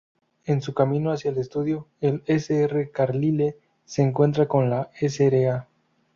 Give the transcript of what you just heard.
En su camino hacia el estudio, el Sr. Carlile se encuentra con la Sra.